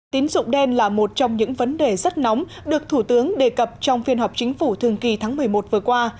tín dụng đen là một trong những vấn đề rất nóng được thủ tướng đề cập trong phiên họp chính phủ thường kỳ tháng một mươi một vừa qua